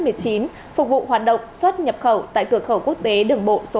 phục vụ hoạt động xuất nhập khẩu tại cửa khẩu quốc tế đường bộ số hai